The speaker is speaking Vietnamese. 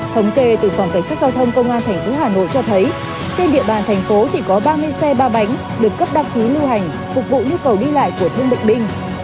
thống kê từ phòng cảnh sát giao thông công an tp hà nội cho thấy trên địa bàn thành phố chỉ có ba mươi xe ba bánh được cấp đăng ký lưu hành phục vụ nhu cầu đi lại của thương bệnh binh